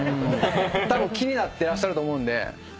たぶん気になってらっしゃると思うんで皆さん。